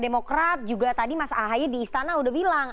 demokrat juga tadi mas ahaye di istana udah bilang